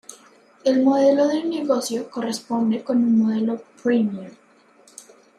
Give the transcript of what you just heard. El modelo de negocio corresponde con un modelo Freemium.